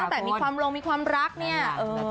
ตั้งแต่มีความรักเนี่ย